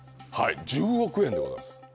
１０億円でございます。